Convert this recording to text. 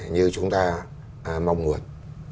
như chúng ta mong muốn